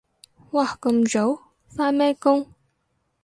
哇咁早？返咩工？